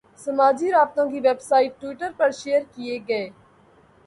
سماجی رابطوں کی ویب سائٹ ٹوئٹر پر شیئر کیے گئے